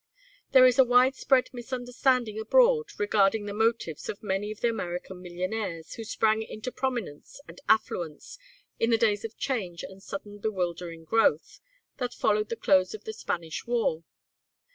There is a widespread misunderstanding abroad regarding the motives of many of the American millionaires who sprang into prominence and affluence in the days of change and sudden bewildering growth that followed the close of the Spanish War.